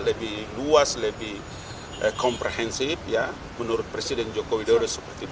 lebih luas lebih komprehensif ya menurut presiden joko widodo seperti